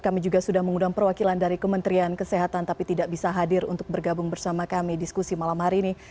kami juga sudah mengundang perwakilan dari kementerian kesehatan tapi tidak bisa hadir untuk bergabung bersama kami diskusi malam hari ini